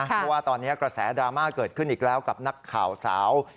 เพราะว่าตอนนี้กระแสดราม่าเกิดขึ้นอีกแล้วกับนักข่าวสาว